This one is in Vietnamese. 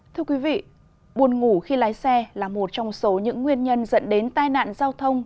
thưa quý vị buồn ngủ khi lái xe là một trong số những nguyên nhân dẫn đến tai nạn giao thông